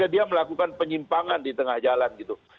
dia melakukan penyimpangan di tengah jalan gitu